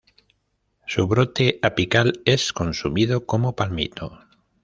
Su brote apical es consumido como palmito.